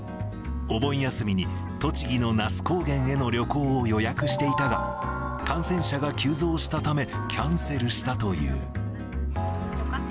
お盆休みに栃木の那須高原への旅行を予約していたが、感染者が急増したため、キャンセルしたという。